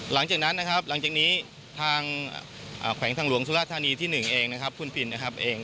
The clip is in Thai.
หลังจากนั้นนะครับหลังจากนี้ทางแขวงทางหลวงสุราธานีที่๑เองนะครับคุณปินนะครับเอง